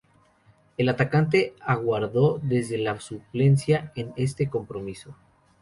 El atacante aguardó desde la suplencia en este compromiso.